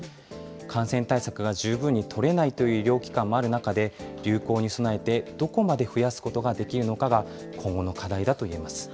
感染対策が十分に取れないという医療機関もある中で、流行に備えてどこまで増やすことができるのかが今後の課題だといえます。